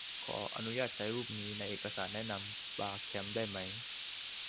ขออนุญาตใช้รูปนี้ ในเอกสารแนะนำบาร์แคมป์ได้ไหม ?